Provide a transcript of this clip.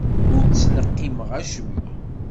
Ur ttleqqimeɣ acemma.